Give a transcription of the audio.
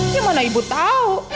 gimana ibu tahu